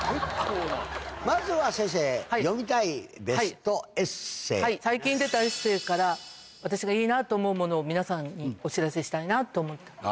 まずは先生、読みたいベスト最近出たエッセーから、私がいいなと思うものを皆さんにお知らせしたいなと思って。